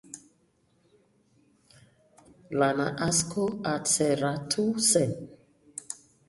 Lana asko atzeratu zen.